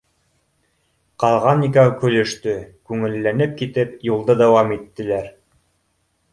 Ҡалған икәү көлөштө, күңелләнеп китеп, юлды дауам иттеләр